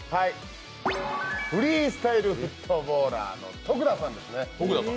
フリースタイルフットボーラーの徳田さんですね。